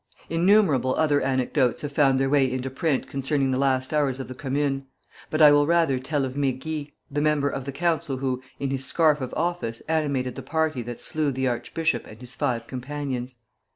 Innumerable other anecdotes have found their way into print concerning the last hours of the Commune; but I will rather tell of Mégy, the member of the Council who, in his scarf of office, animated the party that slew the archbishop and his, five companions.